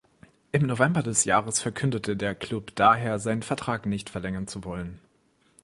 Im November des Jahres verkündete der Klub daher, seinen Vertrag nicht verlängern zu wollen.